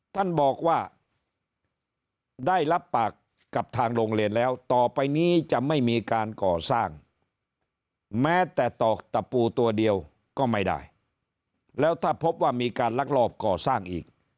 ท่านบอกว่าได้รับปากกับทางโรงเรียนแล้วต่อไปนี้จะไม่มีการก่อสร้างแม้แต่ตอกตะปูตัวเดียวก็ไม่ได้แล้วถ้าพบว่ามีการลักลอบก่อสร้างอีก